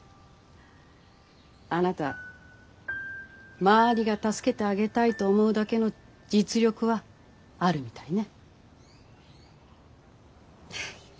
あなた周りが助けてあげたいと思うだけの実力はあるみたいね。